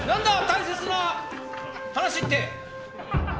大切な話って。